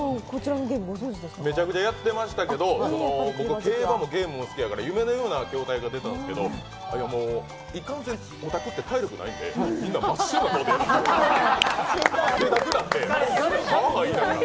めちゃくちゃやってましたけど、僕は競馬もゲームも好きだから夢のようなゲームが出たんですけどいかんせん、オタクって体力ないんで、みんな真っ白な顔で汗だくになって、はあはあ言いながら。